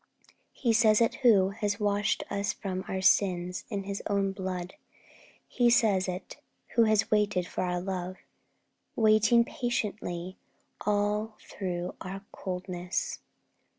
He says it who has washed us from our sins in His own blood. He says it who has waited for our love, waited patiently all through our coldness.